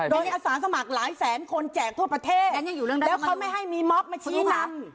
โดยอาสาสมัครหลายแสนคนแจกทั่วประเทศแล้วเขาไม่ให้มีม็อบมาชี้นำ